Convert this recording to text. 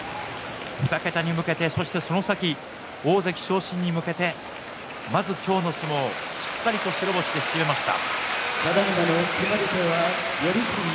２桁に向けて、そしてその先大関昇進に向けてまず今日の相撲しっかりと白星で締めました。